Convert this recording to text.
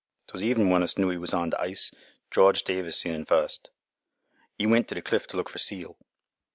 "'Twas even' when us knew 'e was on th' ice. George Davis seen un first. 'E went to th' cliff to look for seal.